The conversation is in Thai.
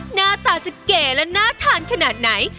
หน้าตาจะเก๋และน่าทานขนาดไหน